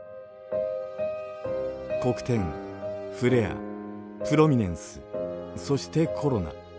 黒点フレアプロミネンスそしてコロナ。